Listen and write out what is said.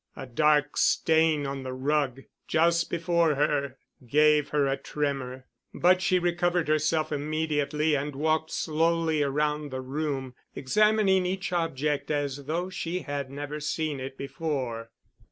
A dark stain on the rug, just before her, gave her a tremor, but she recovered herself immediately and walked slowly around the room, examining each object as though she had never seen it before.